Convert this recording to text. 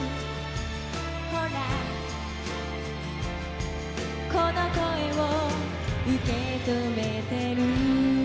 「ほらこの声を受けとめている」